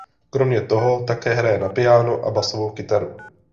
Kromě toho také hraje na piáno a basovou kytaru.